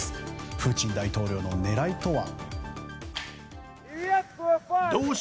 プーチン大統領の狙いとは。